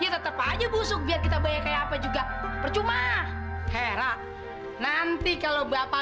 terus dia nurut sama aku